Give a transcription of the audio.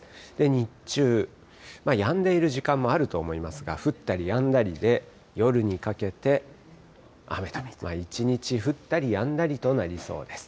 日中、やんでいる時間もあると思いますが、降ったりやんだりで、夜にかけて雨と、一日降ったりやんだりとなりそうです。